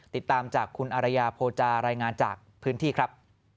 ติดตามจากคุณอารยาโภจารายงานจากพื้นที่ครับ